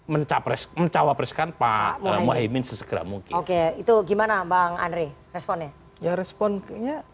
mencapai mencawa preskan pak mohaimin sesegera mungkin itu gimana bang andre responnya responnya